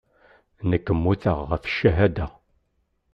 Nekk mmuteɣ ɣef ccahada.